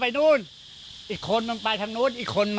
ทั้งหมดนี้คือลูกศิษย์ของพ่อปู่เรศรีนะคะ